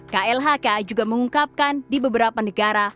klhk juga mengungkapkan di beberapa negara